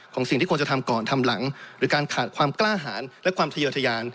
สิ่งที่ควรจะทำก่อนทำหลังหรือการขาดความกล้าหารและความทยอทยาน